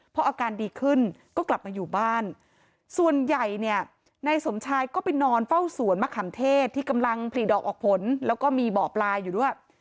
พออาการดีขึ้นก็กลับมาอยู่บ้านส่วนใหญ่เนี่ยนายสมชายก็ไปนอนเฝ้าสวนมะขามเทศที่กำลังผลิดอกออกผลแล้วก็มีบ่อปลาอยู่ด้วย